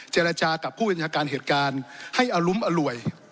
เจรจากับผู้บัญชาการเหตุการณ์ให้อรุ้มอร่วย